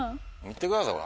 見てください。